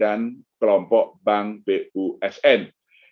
dan kelompok bank bumn dan kelompok bank bumn